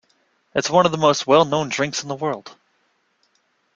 It's one of the most well known drinks in the world.